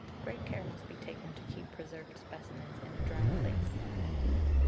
Great care must be taken to keep preserved specimens in a dry place.